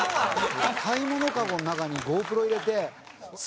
買い物籠の中にＧｏＰｒｏ入れて。